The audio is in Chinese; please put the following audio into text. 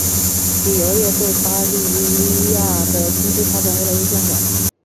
旅游业对巴伊亚的经济发展越来越重要。